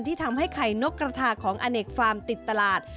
ทำให้ไข่นกกระทาของอเนกฟาร์มติดตลาด